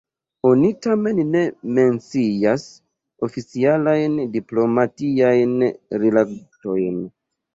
Oni tamen ne mencias oficialajn diplomatiajn rilatojn.